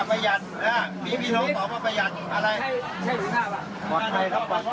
ก็ต้องมารถไปกระบวนทางหาข้าวกินค่ะ